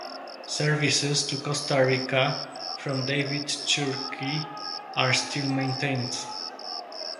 Services to Costa Rica from David, Chiriqui are still maintained.